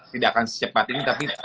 tidak akan secepat ini tapi